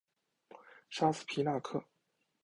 沙斯皮纳克。